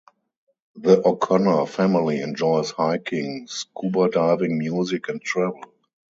The O'Connor family enjoys hiking, scuba diving, music, and travel.